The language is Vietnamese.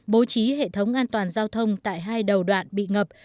bố trí hệ thống an toàn giao thông tại hai đầu đoạn bị ngập